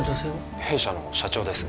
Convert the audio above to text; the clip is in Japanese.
弊社の社長です